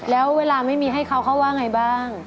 แล้วเวลาไม่มีให้เขาเขาว่าไงบ้าง